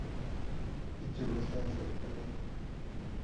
Biik chu kosasei toek